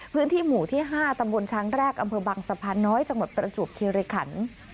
พื้นที่หมู่ที่๕ตำบลช้างแรกอำเภอบังสะพานน้อยจังหวัดประจวบคิริขัน